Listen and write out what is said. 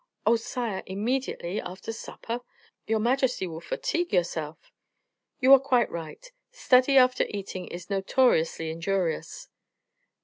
"Oh! sire, immediately after supper? Your majesty will fatigue yourself." "You are quite right; study after eating is notoriously injurious."